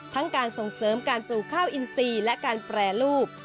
ทั้งการส่งเสริมการปลูกข้าวอินทรีย์และการแฟร์รูป